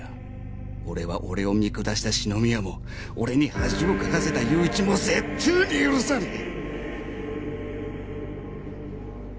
俺は俺を見下した紫宮も俺に恥をかかせた友一も絶対に許さねえ！